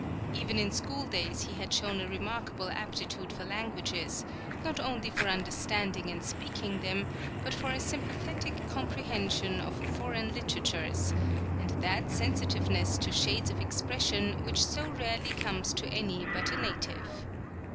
Even in his school days he had shown a remarkable aptitude for languages; not only for understanding and speaking them, but for a sympathetic comprehension of foreign literatures, and that sensitiveness to shades of expression which so rarely comes to any but a native.